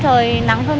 thời tiết oi ả nắng nóng